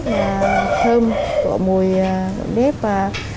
là thơm của mùi đếp và